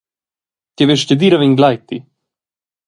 Tia vestgadira vegn gleiti!